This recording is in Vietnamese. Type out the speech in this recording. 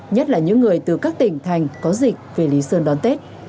nhất là những người từ các tỉnh thành có dịch về lý sơn đón tết